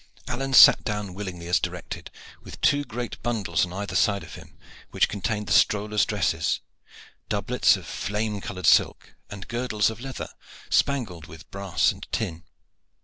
Alleyne sat down willingly as directed with two great bundles on either side of him which contained the strollers' dresses doublets of flame colored silk and girdles of leather, spangled with brass and tin.